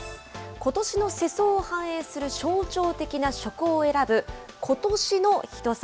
ことしの世相を反映する象徴的な食を選ぶ、今年の一皿。